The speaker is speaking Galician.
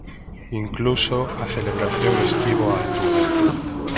Incluso a celebración estivo á altura.